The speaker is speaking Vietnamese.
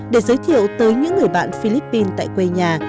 để giới thiệu tới những người bạn philippines tại quê nhà